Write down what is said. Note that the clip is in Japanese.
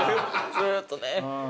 ずっとね。